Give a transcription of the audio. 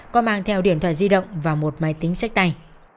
có mang theo điện thoại di động và một máy tính sách tay